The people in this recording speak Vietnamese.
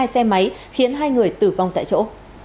xe máy khiến hai người tử vong tại chỗ